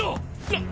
なっ！？